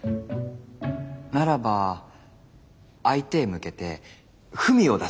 ならば相手へ向けて文を出すのだ。